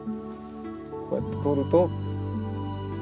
こうやって撮ると。